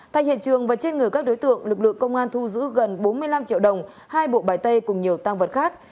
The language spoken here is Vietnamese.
thay hiện trường và trên người các đối tượng lực lượng công an thu giữ gần bốn mươi năm triệu đồng hai bộ bài tay cùng nhiều tăng vật khác